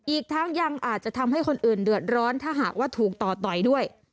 อีกทั้งยังอาจจะทำให้คนอื่นเดือดร้อนถ้าหากว่าถูกต่อต่อยด้วย